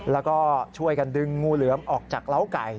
แล้วก็ช่วยกันดึงงูเหลือมออกจากเล้าไก่